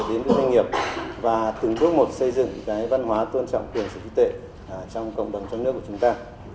đến các doanh nghiệp và từng bước một xây dựng cái văn hóa tôn trọng quyền sở hữu trí tuệ trong cộng đồng trong nước của chúng ta